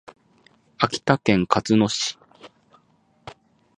秋田県鹿角市